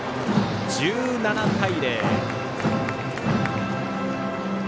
１７対０。